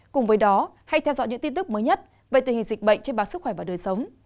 cùng với đó hãy theo dõi những tin tức mới nhất về tình hình dịch bệnh trên báo sức khỏe và đời sống